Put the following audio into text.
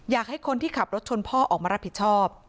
อยากให้คนที่ขับรถชนพ่อออกมารับผิดชอบ